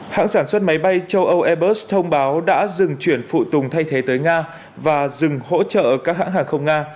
hãng sản xuất máy bay châu âu airbus thông báo đã dừng chuyển phụ tùng thay thế tới nga và dừng hỗ trợ các hãng hàng không nga